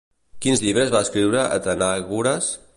Quins llibres va escriure Atenàgores?